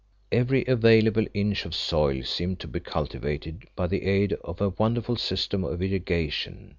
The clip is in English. Every available inch of soil seemed to be cultivated by the aid of a wonderful system of irrigation.